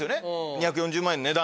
２４０万円の値段。